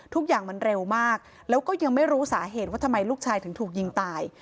ทุกอย่างมันเร็วมากแล้วก็ยังไม่รู้สาเหตุว่าทำไมลูกชายถึงถูกยิงตาย